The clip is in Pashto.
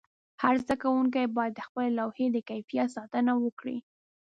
هر زده کوونکی باید د خپلې لوحې د کیفیت ساتنه وکړي.